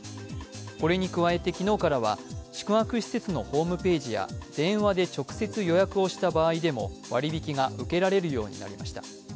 これに加えて昨日からは、宿泊施設のホームページや電話で直接予約をした場合でも割り引きが受けられるようになりました。